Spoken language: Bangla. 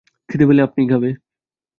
খিদে পেলে আপনিই খাবে।